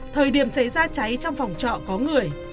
thời điểm xảy ra cháy trong phòng trọ có người